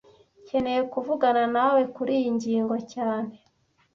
Nkeneye kuvugana nawe kuriyi ngingo cyane